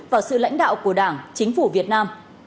vào sự lãnh đạo của đảng chính phủ việt nam